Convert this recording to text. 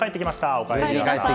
おかえりなさい！